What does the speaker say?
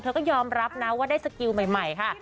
ก็ยอมรับนะว่าได้สกิลใหม่ค่ะ